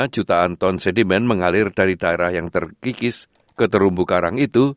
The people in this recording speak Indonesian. jutaan ton sedimen mengalir dari daerah yang terkikis ke terumbu karang itu